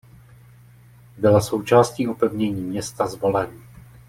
Byla součástí opevnění města Zvolen.